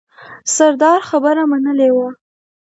سردار خبره منلې وه.